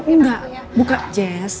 enggak bukan jess